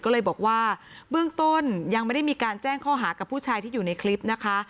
ก็เลยบอกว่าเบื้องต้นยังไม่ได้มีการแจ้งข้อหากับผู้ชายที่อยู่ในคลิปนะคะ